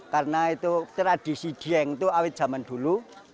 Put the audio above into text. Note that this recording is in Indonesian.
karena tradisi dieng itu awal zaman dulu